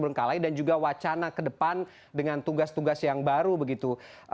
bengkalai dan juga wacana ke depan dengan tugas tugas yang baru begitu